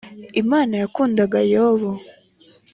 imana yakundaga yobu.